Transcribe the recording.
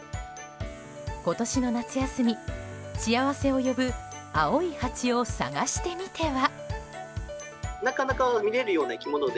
今年の夏休み、幸せを呼ぶ青いハチを探してみては？